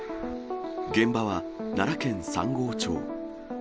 現場は奈良県三郷町。